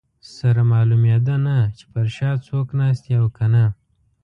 سره معلومېده نه چې پر شا څوک ناست دي او که نه.